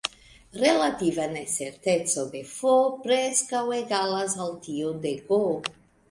Relativa necerteco de "F" preskaŭ egalas al tiu de "G".